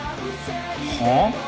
はあ？